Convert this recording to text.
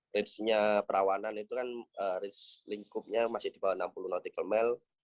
rangenya perawanan itu kan rangenya lingkupnya masih di bawah enam puluh nautical mile